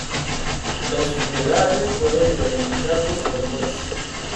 Los funerales fueron realizados por Mons.